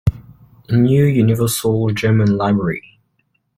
New Universal German Library.